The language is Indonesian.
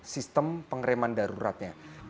sistem pengereman daruratnya